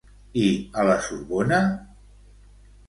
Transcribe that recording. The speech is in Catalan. I a la Sorbona?